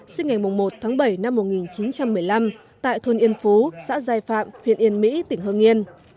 sinh ngày một tháng bảy năm một nghìn chín trăm một mươi năm tại thôn yên phú xã giai phạm huyện yên mỹ tỉnh hương yên